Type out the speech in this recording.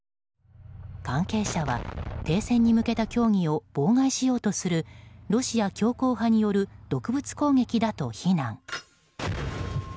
関係者は停戦に向けた協議を妨害しようとするロシア強硬派による毒物攻撃だと非難。